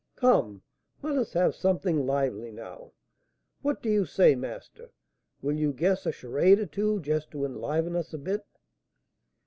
Come, let us have something lively now. What do you say, master; will you guess a charade or two, just to enliven us a bit?"